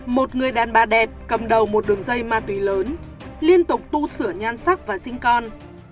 một người đàn bà đẹp cầm đầu một đường dây ma túy lớn liên tục tu sửa nhan sắc và sinh con